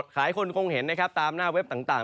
หลายคนคงเห็นนะครับตามหน้าเว็บต่าง